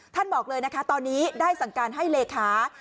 บอกเลยนะคะตอนนี้ได้สั่งการให้เลขา